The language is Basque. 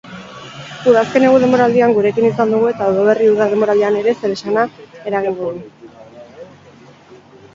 Udazken-negu denboraldian gurekin izan dugu eta udaberri-uda denboraldian ere zeresana emango du.